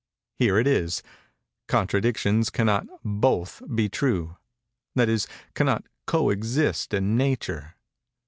Here it is:—'Contradictions cannot both be true—that is, cannot cöexist in nature.